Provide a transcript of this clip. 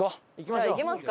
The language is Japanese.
じゃあ行きますか。